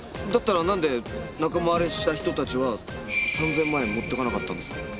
だったらなんで仲間割れした人たちは３０００万円持っていかなかったんですか？